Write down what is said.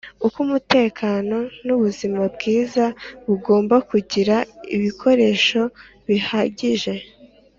kubw umutekano n ubuzima bwiza Bagomba kugira ibikoresho bihagije